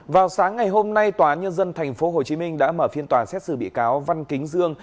vào sáng ngày hôm nay tòa nhân dân tp hcm đã mở phiên tòa xét xử bị cáo văn kính dương